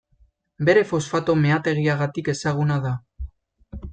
Bere fosfato meategiengatik ezaguna da.